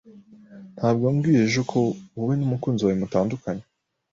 Ntabwo wambwiye ejo ko wowe n'umukunzi wawe mutandukanye?